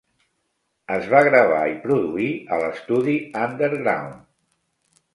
Es va gravar i produir a l'estudi Underground.